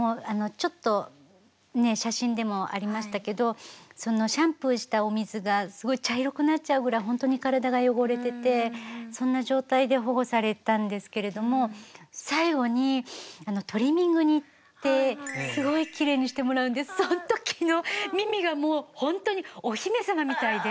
ちょっとねえ写真でもありましたけどシャンプーしたお水がすごい茶色くなっちゃうぐらい本当に体が汚れててそんな状態で保護されたんですけれども最後にトリミングに行ってすごいきれいにしてもらうんでその時のミミがもう本当にお姫様みたいで。